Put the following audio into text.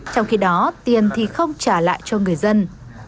trong khi đó tiền thì không trả lại cho người dân